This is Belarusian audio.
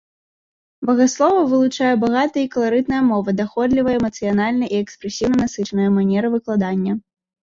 Багаслова вылучае багатая і каларытная мова, даходлівая, эмацыянальна і экспрэсіўна насычаная манера выкладання.